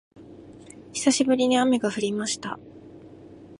久しぶりに雨が降りました